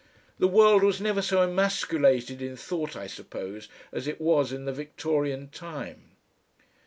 The world was never so emasculated in thought, I suppose, as it was in the Victorian time....